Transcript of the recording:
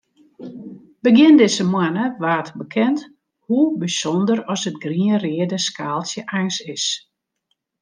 Begjin dizze moanne waard bekend hoe bysûnder as it grien-reade skaaltsje eins is.